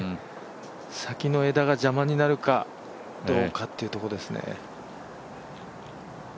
先の枝が邪魔になるか、どうかというところですね。